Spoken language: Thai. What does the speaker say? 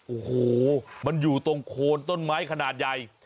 โอ้โหมันอยู่ตรงโคนต้นไม้ขนาดใหญ่